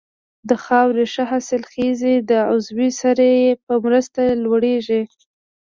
د خاورې ښه حاصلخېزي د عضوي سرې په مرسته لوړیږي.